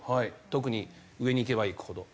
特に上にいけばいくほど。